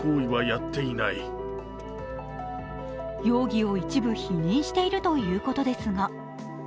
容疑を一部否認しているということですがね